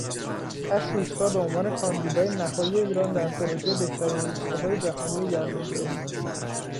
هشت روستا به عنوان کاندیدای نهایی ایران در پروژه بهترین روستاهای جهانی گردشگری